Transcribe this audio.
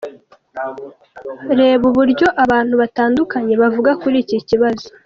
Reba uburyo abantu batandukanye bavuga kuri iki kibazo.